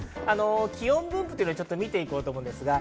気温分布を見て行こうと思います。